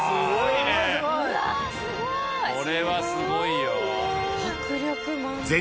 これはすごいよ。